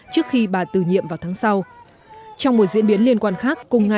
trước khi bà từ nhiệm vào tháng sau trong một diễn biến liên quan khác